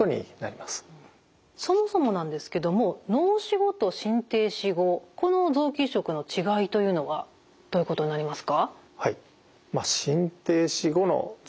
そもそもなんですけども脳死後と心停止後この臓器移植の違いというのはどういうことになりますか？